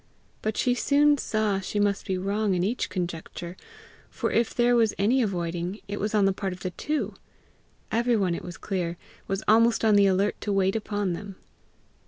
But she soon saw she must be wrong in each conjecture; for if there was any avoiding, it was on the part of the two: every one, it was clear, was almost on the alert to wait upon them.